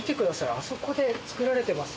あそこで作られてますよ。